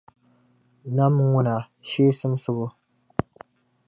Nam ŋuna, shee simsibu.